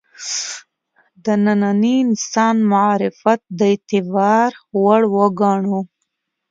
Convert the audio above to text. د ننني انسان معرفت د اعتبار وړ وګڼو.